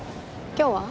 今日は？